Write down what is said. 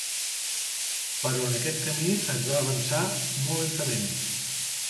Però en aquest camí es va avançar molt lentament.